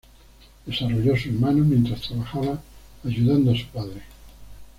Desarrolló sus manos mientras trabajaba ayudando a su padre.